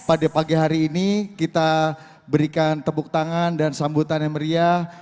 pada pagi hari ini kita berikan tepuk tangan dan sambutan yang meriah